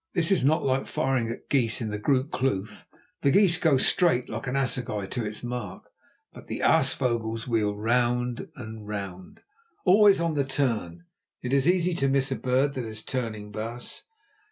"This is not like firing at geese in the Groote Kloof. The geese go straight, like an assegai to its mark. But the aasvogels wheel round and round, always on the turn; it is easy to miss a bird that is turning, baas."